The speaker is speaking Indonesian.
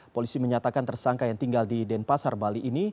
polisi menyatakan tersangka yang tinggal di denpasar bali ini